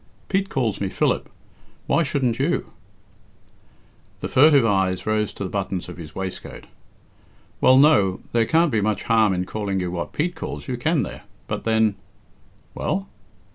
"Pete calls me Philip. Why shouldn't you?" The furtive eyes rose to the buttons of his waistcoat. "Well, no; there can't be much harm in calling you what Pete calls you, can there? But then " "Well?"